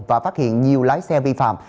và phát hiện nhiều lái xe vi phạm